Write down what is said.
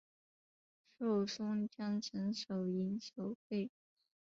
授松江城守营守备。